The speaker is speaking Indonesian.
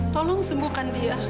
tolong sembuhkan dia